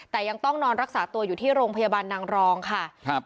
แต่ยังต้องนอนรักษาตัวอยู่ที่โรงพยาบาลนางรองค่ะครับ